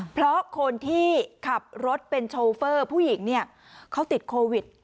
เพราะคนที่ขับรถเป็นโชเฟอร์ผู้หญิงเนี่ยเขาติดโควิด